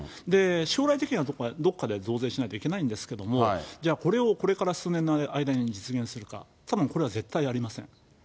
将来的には、やはりどっかで増税しないといけないんですけれども、じゃあ、これをこれから数年の間に実現するか、たぶんこれは絶対やりません。